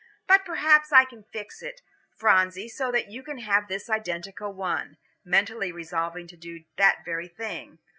But perhaps I can fix it, Phronsie, so that you can have this identical one," mentally resolving to do that very thing.